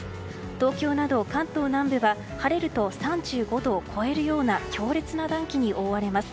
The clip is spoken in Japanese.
東京など関東南部は晴れると３５度を超えるような強烈な暖気に覆われます。